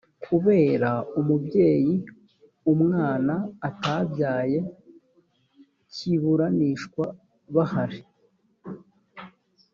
kubera umubyeyi umwana utabyaye kiburanishwa bahari